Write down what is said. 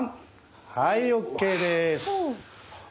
はいＯＫです。